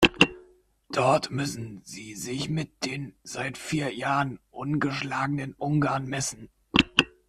Dort müssen sie sich mit den seit vier Jahren ungeschlagenen Ungarn messen.